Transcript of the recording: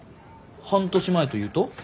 半年前というと？